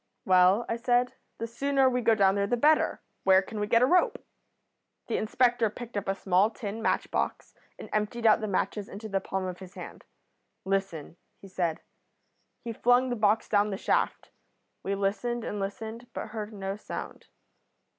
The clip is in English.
"'Well,' I said, 'the sooner we go down there the better. Where can we get a rope?' "The inspector picked up a small tin match box and emptied out the matches into the palm of his hand. 'Listen,' he said. He flung the box down the shaft. We listened, and listened, but heard no sound.